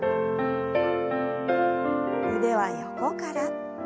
腕は横から。